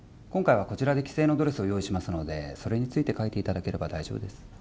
今回はこちらで既製のドレスを用意しますのでそれについて書いていただければ大丈夫です